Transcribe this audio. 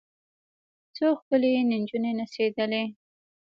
څو ښکلې نجونې نڅېدلې.